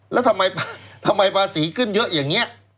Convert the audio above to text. แล้วทำไมภาษีขึ้นเยอะอย่างนี้